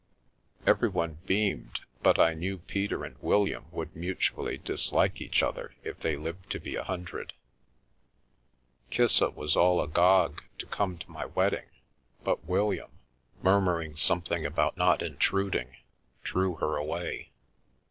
Everyone beamed, but I knew Peter and William would mutually dislike each other if they lived to be a hundred. Kissa was all agog to come to my wedding, but William, murmuring something about " not intrud ing," drew her away.